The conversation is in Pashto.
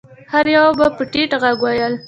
هر يوه به په ټيټ غږ ويل.